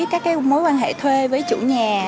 các mối quan hệ thuê với chủ nhà